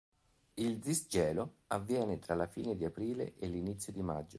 Il disgelo avviene tra la fine di aprile e l'inizio di maggio.